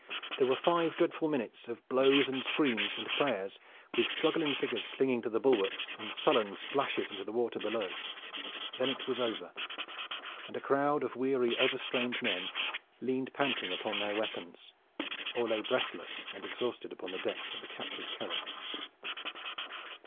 There were five dreadful minutes of blows and screams and prayers with struggling figures clinging to the bulwarks and sullen splashes into the water below. Then it was over, and a crowd of weary, overstrained men leaned panting upon their weapons, or lay breathless and exhausted upon the deck of the captured carack.